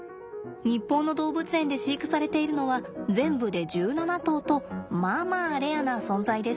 日本の動物園で飼育されているのは全部で１７頭とまあまあレアな存在です。